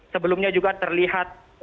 sebelumnya juga terlihat